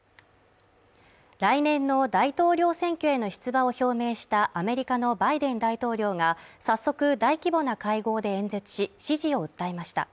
来年の大統領選挙への出馬を表明したアメリカのバイデン大統領が早速、大規模な会合で演説し、支持を訴えました。